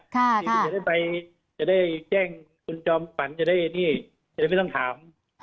ค่ะค่ะที่จะได้ไปจะได้แจ้งคุณจอมฝันจะได้นี่จะได้ไม่ต้องถาม